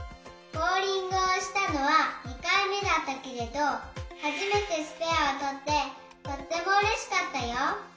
ボウリングをしたのは２かいめだったけれどはじめてスペアをとってとってもうれしかったよ。